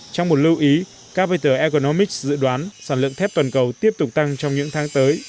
trong một lưu ý carpenter economics dự đoán sản lượng thép toàn cầu tiếp tục tăng trong những tháng tới